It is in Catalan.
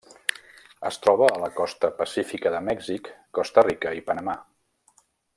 Es troba a la costa pacífica de Mèxic, Costa Rica i Panamà.